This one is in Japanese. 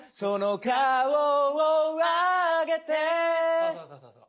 そうそうそうそうそう。